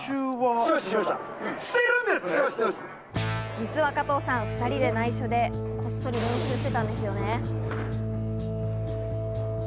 実は加藤さん、２人に内緒で、こっそり練習していたんですよね。